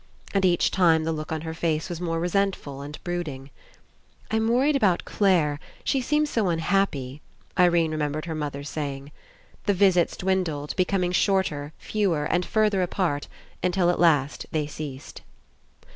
And each time the look on her face was more resentful and brooding. "I'm wor ried about Clare, she seems so unhappy," Irene remembered her mother saying. The visits dwindled, becoming shorter, fewer, and further apart until at last they ceased.